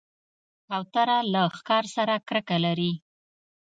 کوتره له ښکار سره کرکه لري.